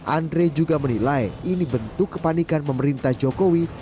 andre juga menilai ini bentuk kepanikan pemerintah jokowi